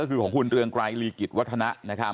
คือของหุ้นเรืองกลายลีกฤทธิ์วัฒนะ